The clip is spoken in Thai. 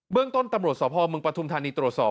เบื้องต้นตรรศพปฐุมธรรณิตรวจสอบ